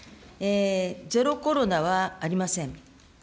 ゼロコロナはありません。